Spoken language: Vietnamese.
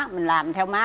mình làm theo má